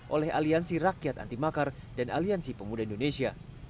oleh aliansi rakyat antimakar dan aliansi pemuda indonesia